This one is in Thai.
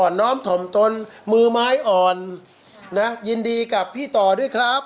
น้อมถ่อมตนมือไม้อ่อนนะยินดีกับพี่ต่อด้วยครับ